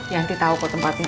yanti tau kok tempatnya